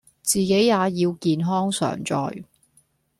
自己也要健康常在